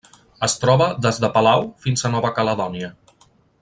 Es troba des de Palau fins a Nova Caledònia.